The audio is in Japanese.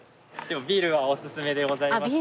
ビールはおすすめでございまして。